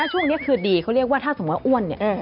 ช่วงนี้คือดีเขาเรียกว่าถ้าสมมุติว่าอ้วนเนี่ย